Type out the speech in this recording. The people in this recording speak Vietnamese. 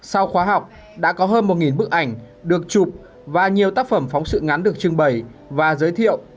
sau khóa học đã có hơn một bức ảnh được chụp và nhiều tác phẩm phóng sự ngắn được trưng bày và giới thiệu